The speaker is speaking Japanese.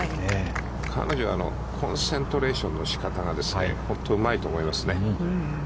彼女はコンセントレーションの仕方が本当にうまいと思いますね。